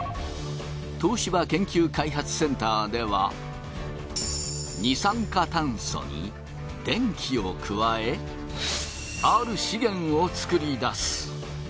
東芝研究開発センターでは二酸化炭素に電気を加えある資源をつくり出す。